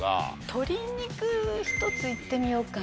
鶏肉１ついってみようかな。